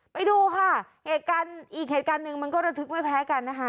ไปดูค่ะเหตุการณ์อีกเหตุการณ์หนึ่งมันก็ระทึกไม่แพ้กันนะคะ